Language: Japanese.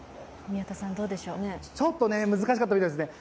ちょっと難しかったみたいですね。